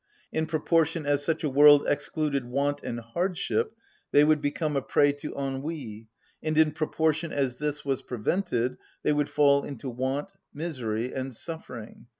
In proportion as such a world excluded want and hardship, they would become a prey to ennui, and in proportion as this was prevented, they would fall into want, misery, and suffering.